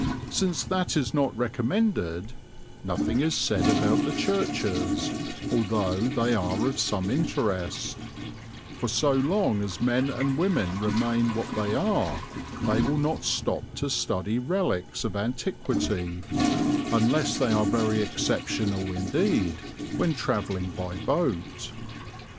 Since that is not recommended, nothing is said about the churches, although they are of some interest; for so long as men and women remain what they are, they will not stop to study relics of antiquity, unless they are very exceptional indeed, when travelling by boat.